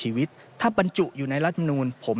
หากเราบัญจุของบัญจุนี้